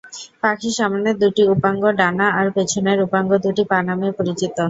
পাখির সামনের দু'টি উপাঙ্গ ডানা আর পেছনের উপাঙ্গ দু'টি পা নামে পরিচিত।